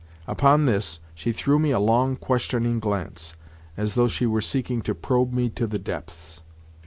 Upon this she threw me a long, questioning glance, as though she were seeking to probe me to the depths.